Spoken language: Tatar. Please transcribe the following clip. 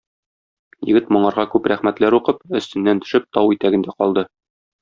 Егет моңарга күп рәхмәтләр укып, өстеннән төшеп, тау итәгендә калды.